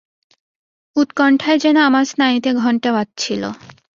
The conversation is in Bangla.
উৎকণ্ঠায় যেন আমার স্নায়ুতে ঘণ্টা বাজছিল।